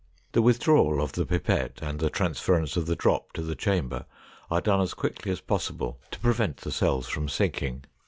The withdrawal of the pipette and the transference of the drop to the chamber are done as quickly as possible to prevent the cells from sinking.